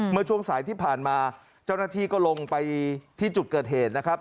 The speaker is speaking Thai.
เมื่อช่วงสายที่ผ่านมาเจ้าหน้าที่ก็ลงไปที่จุดเกิดเหตุนะครับ